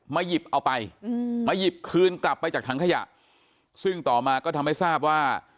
หยิบเอาไปมาหยิบคืนกลับไปจากถังขยะซึ่งต่อมาก็ทำให้ทราบว่า